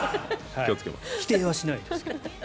否定はしないですが。